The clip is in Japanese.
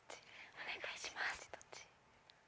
お願いします。